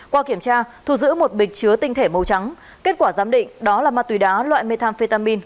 qua kiểm tra thu giữ một bịch chứa tinh thể màu trắng kết quả giám định đó là ma túy đá loại methamphetamin